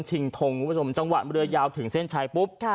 ชิงทงจังหวัดเรือยาวถึงเส้นชัยปุ๊บ